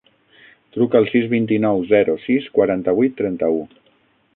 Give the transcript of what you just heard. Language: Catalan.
Truca al sis, vint-i-nou, zero, sis, quaranta-vuit, trenta-u.